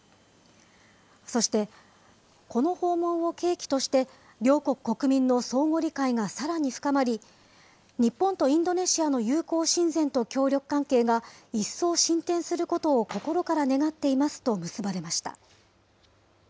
そして、この訪問を契機として、両国国民の相互理解がさらに深まり、日本とインドネシアの友好親善と協力関係が、一層進展することを心から願っていますと結ばれました。